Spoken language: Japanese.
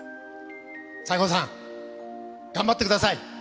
西郷さん、頑張ってください。